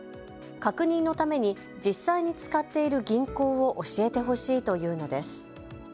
確認のために実際に使っている銀行を教えてほしいと言うのです。